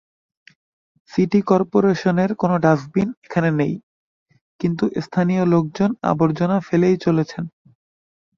City করপোরেশনের কোনো dustbin এখানে নেই, কিন্তু স্থানীয় লোকজন আবর্জনা ফেলেই চলেছেন।